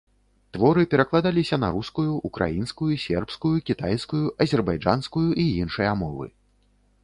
Творы перакладаліся на рускую, украінскую, сербскую, кітайскую, азербайджанскую і іншыя мовы.